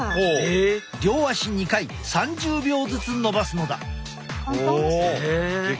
両足２回３０秒ずつのばすのだ。